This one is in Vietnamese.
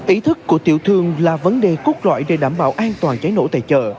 ý thức của tiểu thương là vấn đề cốt lõi để đảm bảo an toàn cháy nổ tại chợ